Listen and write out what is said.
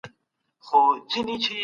سګریټ څکول روغتیا ته زیان رسوي.